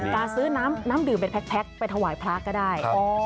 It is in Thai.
การซื้อน้ำดื่มเป็นแพ็คไปถวายพระก็ได้